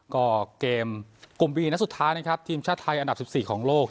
ก็เกมกลุ่มบีนัดสุดท้ายนะครับทีมชาติไทยอันดับ๑๔ของโลก